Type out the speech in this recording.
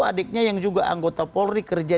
adiknya yang juga anggota polri kerja